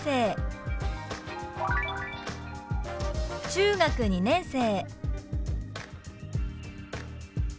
「中学２年生」。